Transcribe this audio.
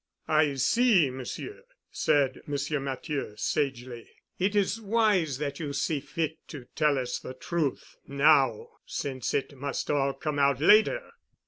"I see, Monsieur," said M. Matthieu sagely. "It is wise that you see fit to tell us the truth now since it must all come out later.